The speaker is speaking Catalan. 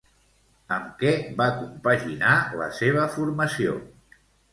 Amb què va compaginar la seva formació?